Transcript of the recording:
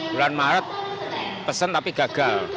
bulan maret pesen tapi gagal